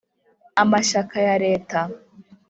amashyaka ya leta